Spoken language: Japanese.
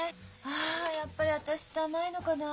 あやっぱり私って甘いのかな？